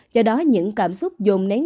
do đó những cảm xúc dồn nén